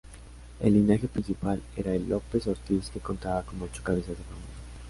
El linaje principal era el López-Ortiz que contaba con ocho cabezas de familia.